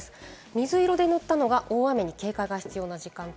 水色で塗ったのが大雨に警戒が必要な時間帯。